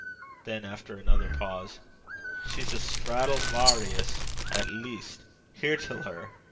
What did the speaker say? Then, after another pause: 'She's a Straddle Vawrious at least! Hear till her.